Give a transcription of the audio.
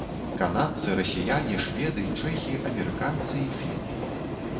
Канадцы, расіяне, шведы, чэхі, амерыканцы і фіны.